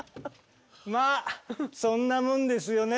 まあそんなもんですよね